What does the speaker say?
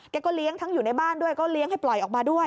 เลี้ยงทั้งอยู่ในบ้านด้วยก็เลี้ยงให้ปล่อยออกมาด้วย